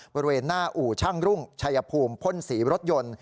บริเวณหน้าอู่ช่างรุ่งชัยภูมิพ่นสีรถยนต์